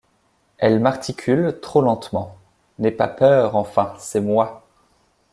Elle m’articule, trop lentement :— N’aie pas peur, enfin, c’est moi !